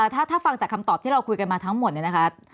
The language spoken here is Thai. ถ้าฟังจากคำตอบที่เราคุยกันมาทั้งหมดเนี่ยนะคะ